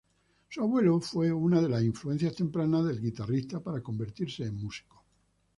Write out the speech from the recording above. Su abuelo fue una de las influencias tempranas del guitarrista para convertirse en músico.